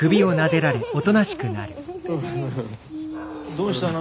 どうしたの？